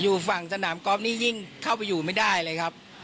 อยู่ฝั่งสนามกอล์ฟนี่ยิ่งเข้าไปอยู่ไม่ได้เลยครับ